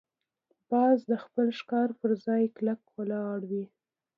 باز د خپل ښکار پر ځای کلکه ولاړ وي